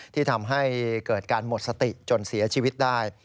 ที่ทำให้เกิดการหมดสติจนเสียชีวิตได้